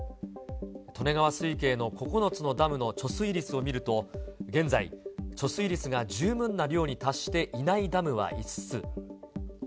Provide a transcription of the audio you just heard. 利根川水系の９つのダムの貯水率を見ると、現在、貯水率が十分な量に達していないダムは５つ。